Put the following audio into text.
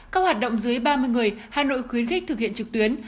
các hoạt động dưới ba mươi người hà nội khuyến khích thực hiện trực tuyến